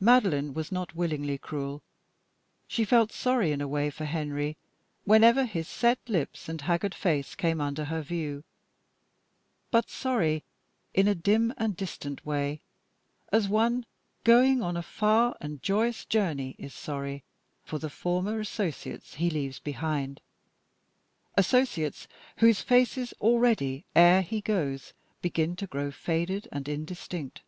Madeline was not willingly cruel. She felt sorry in a way for Henry whenever his set lips and haggard face came under her view, but sorry in a dim and distant way, as one going on a far and joyous journey is sorry for the former associates he leaves behind, associates whose faces already, ere he goes, begin to grow faded and indistinct.